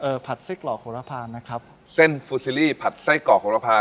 เอ่อผัดไส้กรอกโขลภาพานะครับเส้นฟูซิลลี่ผัดไส้กรอกโขลภาพา